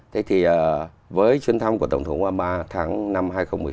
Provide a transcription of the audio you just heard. thế thì với chuyến thăm của tổng thống obama tháng năm hai nghìn một mươi sáu